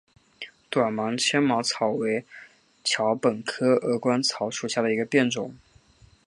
短芒纤毛草为禾本科鹅观草属下的一个变种。